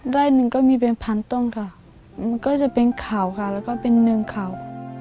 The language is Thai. ได้หนึ่งก็มีเป็นพันต้นค่ะมันก็จะเป็นข่าวค่ะแล้วก็เป็นหนึ่งข่าว